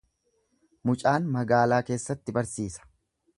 Mucaan magaalaa keessatti barsiisa.